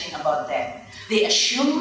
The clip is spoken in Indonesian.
yang tidak benar